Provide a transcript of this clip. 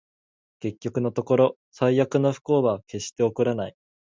結局のところ、最悪の不幸は決して起こらない